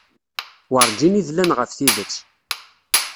Werǧin i dlan ɣef tidet.